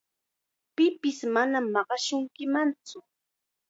Pipis manam maqashunkimantsu.